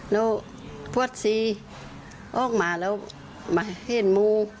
แล้วพวดซีออกมาแล้วมาเห็นมู